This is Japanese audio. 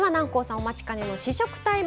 お待ちかねの試食タイム。